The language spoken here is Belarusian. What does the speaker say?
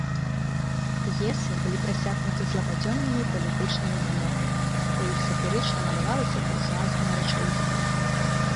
П'есы былі прасякнуты злабадзённымі палітычнымі намёкамі, у іх сатырычна малявалася буржуазная рэчаіснасць.